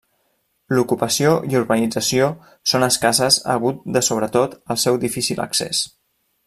L'ocupació i urbanització són escasses hagut de sobretot al seu difícil accés.